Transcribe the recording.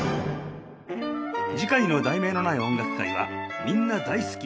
次回の『題名のない音楽会』は「みんな大好き！